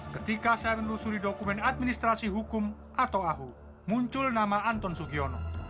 ketika saya menelusuri dokumen administrasi hukum atau ahu muncul nama anton sugiono